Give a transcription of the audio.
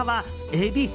エビ！